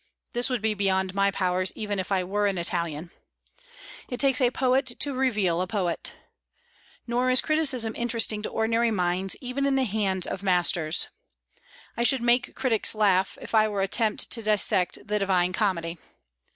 This would be beyond my powers, even if I were an Italian. It takes a poet to reveal a poet. Nor is criticism interesting to ordinary minds, even in the hands of masters. I should make critics laugh if I were to attempt to dissect the Divine Comedy.